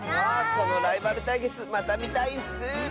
このライバルたいけつまたみたいッス！